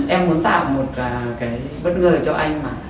em muốn tạo một cái bất ngờ cho anh mà